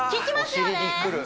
ききますよね